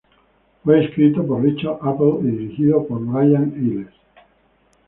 Fue escrito por Richard Appel y dirigido por Brian Iles.